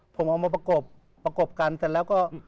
ผมเอามาประกบประกบกันเสร็จแล้วก็